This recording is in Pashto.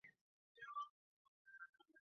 په واکسین کمپاین کې عامه پوهاوی اړین دی.